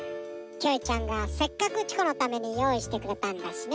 キョエちゃんがせっかくチコのためによういしてくれたんだしね。